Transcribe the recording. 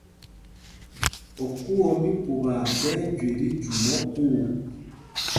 Okuu o mí Pupaa ɓɛ́ ɛ́ jüe tí jûm okuu.